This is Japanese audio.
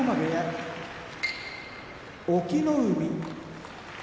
隠岐の海